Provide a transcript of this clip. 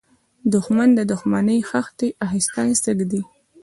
دښمن د دښمنۍ خښتې آهسته آهسته ږدي